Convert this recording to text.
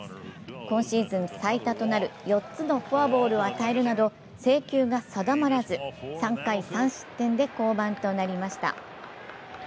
今シーズン最多となる４つのフォアボールを与えるなど、制球が定まらず、３回３失点で降板となりました。